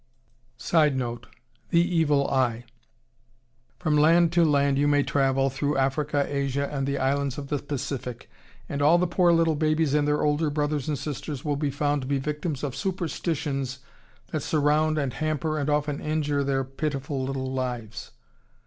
[Sidenote: The Evil Eye.] From land to land you may travel, through Africa, Asia, and the Islands of the Pacific, and all the poor little babies and their older brothers and sisters will be found to be victims of superstitions that surround and hamper and often injure their pitiful little lives.